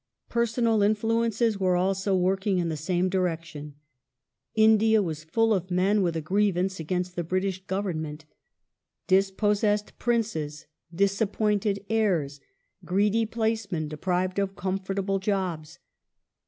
Personal influences were also working in the same direction. India was full of men with a giievance against the British Govern ment : dispossessed princes, disappointed "heirs," greedy placemen 284 THE INDIAN MUTINY [1856 deprived of comfortable jobs.